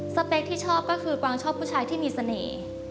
สเปคที่ชอบก็คือกวางชอบผู้ชายที่มีเสน่ห์